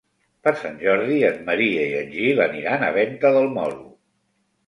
Per Sant Jordi en Maria i en Gil aniran a Venta del Moro.